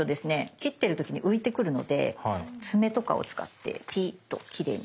切ってる時に浮いてくるので爪とかを使ってピーッときれいに。